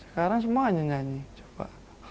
sekarang semuanya nyanyi coba